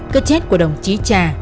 cơ chết của đồng chí trà